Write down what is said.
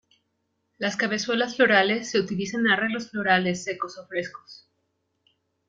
Las cabezuelas florales se utilizan en arreglos florales secos o frescos.